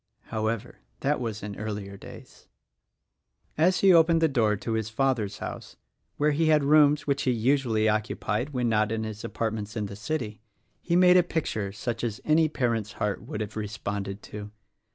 However, that was in earlier days. As he opened the door to his father's house (where he had rooms which he usually occupied when not in his apart ments in the city) he made a picture such as any parent's heart would have responded to.